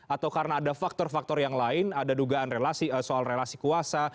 atau karena ada faktor faktor yang lain ada dugaan relasi soal relasi kuasa